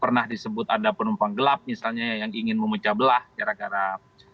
pernah disebut ada penumpang gelap misalnya yang ingin memecah belah gara gara pemilu yang paksionalisasi nyokup ekstrim